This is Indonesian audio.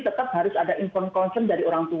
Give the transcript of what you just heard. tetap harus ada inform konsen dari orang tua